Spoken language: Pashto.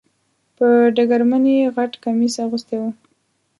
په ډګرمن یې غټ کمیس اغوستی و .